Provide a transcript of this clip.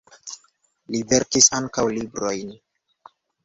Li verkis ankaŭ librojn.